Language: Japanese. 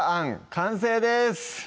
完成です